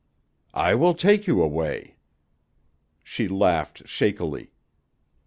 "I will take you away." She laughed shakily.